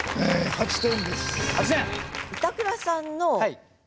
８点！